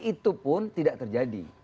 itu pun tidak terjadi